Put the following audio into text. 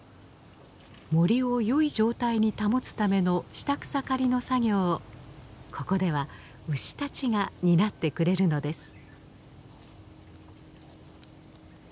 森をよい状態に保つための下草刈りの作業をここでは牛たちが担ってくれるのです。